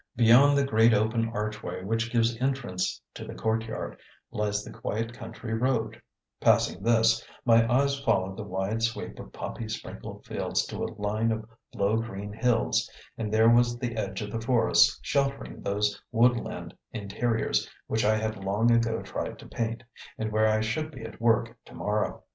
Beyond the great open archway, which gives entrance to the courtyard, lies the quiet country road; passing this, my eyes followed the wide sweep of poppy sprinkled fields to a line of low green hills; and there was the edge of the forest sheltering those woodland interiors which I had long ago tried to paint, and where I should be at work to morrow.